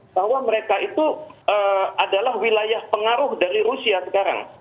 bahwa mereka itu adalah wilayah pengaruh dari rusia sekarang